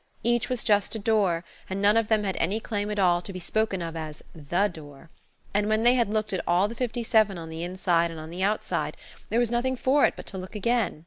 Each was just a door, and none of them had any claim at all to be spoken of as THE door. And when they had looked at all the fifty seven on the inside and on the outside, there was nothing for it but to look again.